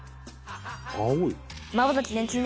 「青い」